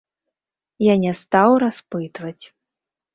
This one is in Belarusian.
Я не стаў распытваць.